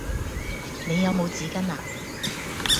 你有冇紙巾呀